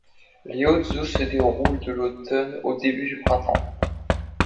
Les hautes eaux se déroulent de l'automne au début du printemps.